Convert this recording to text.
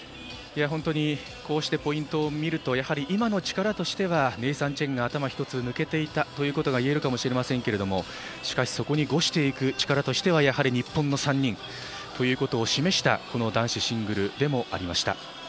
本当にこうしてポイントを見ると今の力としてはネイサン・チェンが頭１つ抜けていたといえるかもしれませんがしかし、そこにごしていく力としては、やはり日本の３人ということを示したこの男子シングルでもありました。